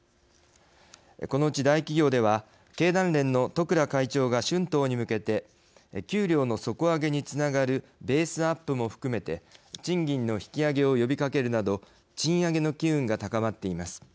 このうち、大企業では経団連の十倉会長が春闘に向けて給料の底上げにつながるベースアップも含めて賃金の引き上げを呼びかけるなど賃上げの機運が高まっています。